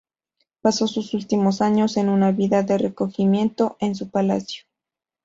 Pasó sus últimos años en una vida de recogimiento en su palacio.